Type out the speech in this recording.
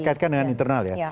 saya kaitkan dengan internal ya